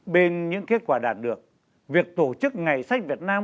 bên những kết quả đạt được việc tổ chức ngày sách việt nam